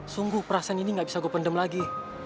sungguh perasaan ini gak bisa gue pendem lagi